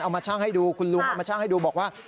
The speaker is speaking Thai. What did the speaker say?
มาช่างให้ดูคุณลุงเอามาช่างให้ดูบอกว่า